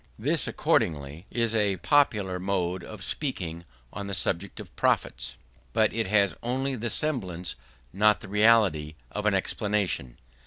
This, accordingly, is a popular mode of speaking on the subject of profits; but it has only the semblance, not the reality, of an explanation.